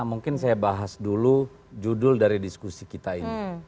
mungkin saya bahas dulu judul dari diskusi kita ini